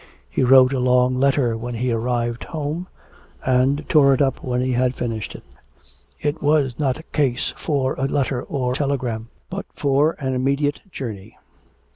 He wrote a long letter when he arrived home, and tore it up when he had finished it. It was not a case for a letter or telegram, but for an immediate journey.